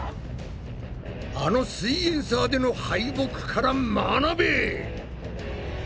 あの「すイエんサー」での敗北から学べ！